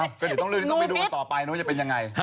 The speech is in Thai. ก็เดี๋ยวต้องลืนต้องไปดูกันต่อไปนะว่าจะเป็นยังไง